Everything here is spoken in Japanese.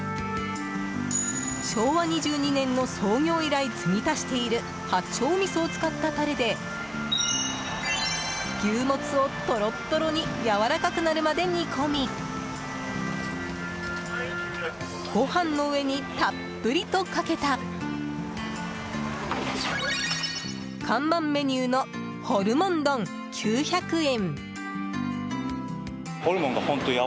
昭和２２年の創業以来継ぎ足している八丁みそを使ったタレで牛モツを、トロットロにやわらかくなるまで煮込みご飯の上にたっぷりとかけた看板メニューのホルモン丼９００円。